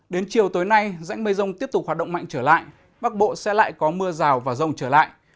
đến chiều tối nay dãnh mây rông tiếp tục hoạt động mạnh trở lại bắc bộ sẽ lại có mưa rào và rông trở lại